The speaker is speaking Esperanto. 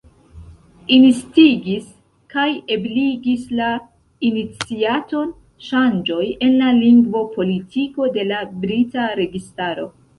Instigis kaj ebligis la iniciaton ŝanĝoj en la lingvo-politiko de la brita registaro.